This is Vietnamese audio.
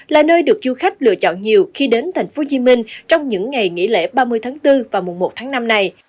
là nơi được du khách lựa chọn nhiều khi đến thành phố hồ chí minh trong những ngày nghỉ lễ ba mươi tháng bốn và mùa một tháng năm này